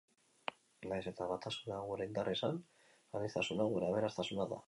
Nahiz eta batasuna gure indarra izan, aniztasuna gure aberastasuna da.